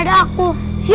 udah efek atas maybe